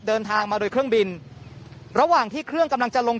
เดินทางมาโดยเครื่องบินระหว่างที่เครื่องกำลังจะลง